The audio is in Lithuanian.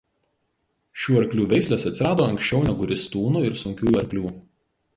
Šių arklių veislės atsirado anksčiau negu ristūnų ir sunkiųjų arklių.